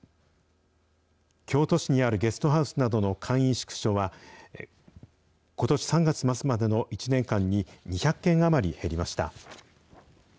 京都市にあるゲストハウスなどの簡易宿所は、ことし３月末までの１年間に２００件余り減りました。